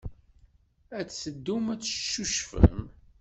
Ad teddum ad teccucfem.